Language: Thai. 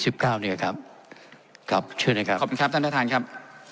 เนี่ยครับครับเชิญนะครับขอบคุณครับท่านประธานครับ